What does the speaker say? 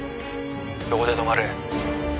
そこで止まれ。